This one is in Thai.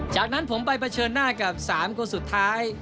จากนั้นผมไปเผชิญหน้ากับ๓คนสุดท้าย